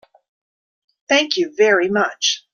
Thank you very much.